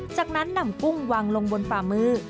จากนั้นนำกุ้งวางลงบนฝ่ามือ